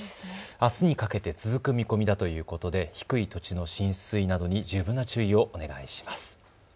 あすにかけて続く見込みだということで、低い土地の浸水などに十分な注意をお願いします。